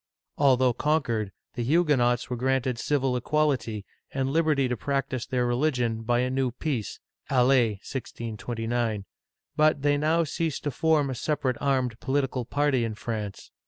Although conquered, the Huguenots were granted civil equality, and liberty to practice their religion, by a new peace (Alais, 1629); but they now ceased to form a sepa rate armed political party in France.